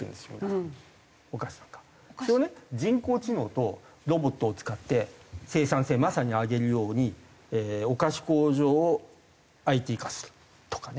それをね人工知能とロボットを使って生産性をまさに上げるようにお菓子工場をＩＴ化するとかね。